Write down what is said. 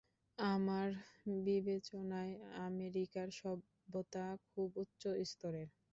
আমার বিবেচনায় আমেরিকার সভ্যতা খুব উচ্চ স্তরের।